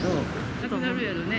なくなるやろね。